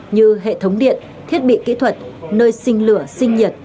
như hệ thống điện thiết bị kỹ thuật nơi sinh lửa sinh nhiệt